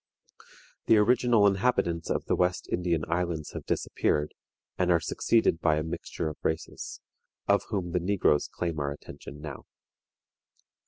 The original inhabitants of the West Indian islands have disappeared, and are succeeded by a mixture of races, of whom the negroes claim our attention now.